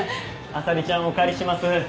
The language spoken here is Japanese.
アサリちゃんお借りします。